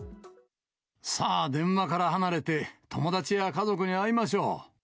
さあ、電話から離れて、友達や家族に会いましょう！